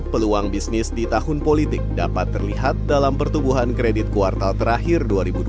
peluang bisnis di tahun politik dapat terlihat dalam pertumbuhan kredit kuartal terakhir dua ribu dua puluh tiga